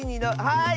はい！